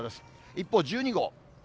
一方１２号。